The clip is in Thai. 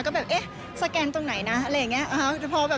ก็แบบเอ๊ะสแกนตรงไหนนะอะไรอย่างนี้